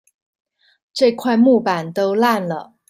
這塊木板都爛了